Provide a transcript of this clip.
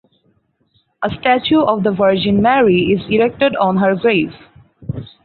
A statue of the Virgin Mary is erected on her grave.